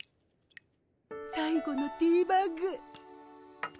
最後のティーバッグ。